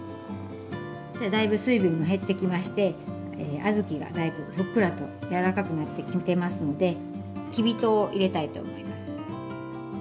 だいぶ水分も減ってきまして小豆がだいぶふっくらと柔らかくなってきてますのできび糖を入れたいと思います。